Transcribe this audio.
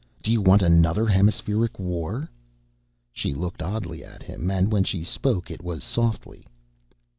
Do you want another Hemispheric War?" She looked oddly at him, and when she spoke it was softly.